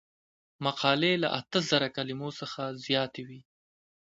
مقالې له اته زره کلمو څخه زیاتې وي.